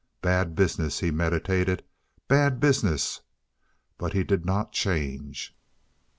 "Bad business," he meditated—"bad business." But he did not change.